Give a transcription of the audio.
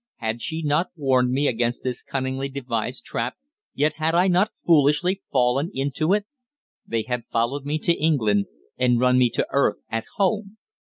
Had she not warned me against this cunningly devised trap, yet had I not foolishly fallen into it? They had followed me to England, and run me to earth at home!